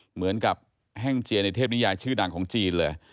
เหมือนกับแห้งเจียในเทพนิยายชื่อดังของจีนเลย